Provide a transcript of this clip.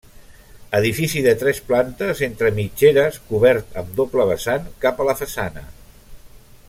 Edifici de tres plantes entre mitgeres cobert amb doble vessant cap a la façana.